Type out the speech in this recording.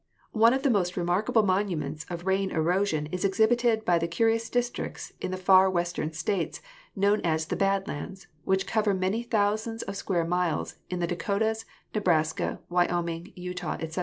One of the most remarkable monuments of rain erosion is exhibited by the curious districts in the far Western States known as the Bad Lands, which cover many thou sands of square miles in the Dakotas, Nebraska, Wyoming, Utah, etc.